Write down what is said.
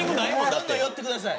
どんどん寄ってください。